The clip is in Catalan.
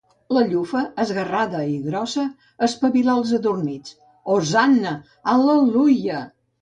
La llufa, esgarrada i grossa, espavilà el adormits. Hosanna! Al·leluia!